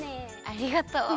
ありがとう。